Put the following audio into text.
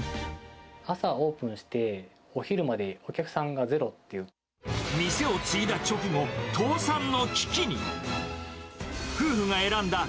朝オープンしてお昼まで、店を継いだ直後、倒産の危機に。